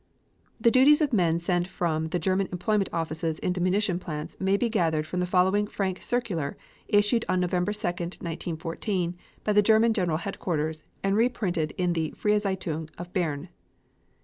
The duties of men sent from the German employment offices into munition plants may be gathered from the following frank circular issued on November 2, 1914, by the German General Headquarters and reprinted in the Freie Zeitung, of Berne.